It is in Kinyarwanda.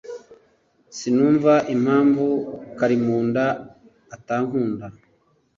Sinumva impamvu Karimunda atankunda